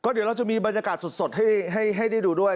เดี๋ยวเราจะมีบรรยากาศสดให้ได้ดูด้วย